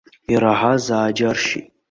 Ираҳаз ааџьаршьеит.